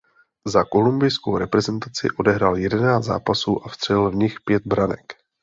Za kolumbijskou reprezentaci odehrál jedenáct zápasů a vstřelil v nich pět branek.